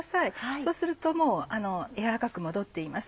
そうするともうやわらかく戻っています。